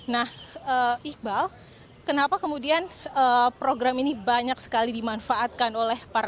nah iqbal kenapa kemudian program ini banyak sekali dimanfaatkan oleh para